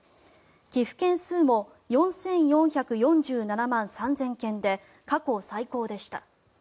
寄付件数も４４４７万３０００件で過去最高でした。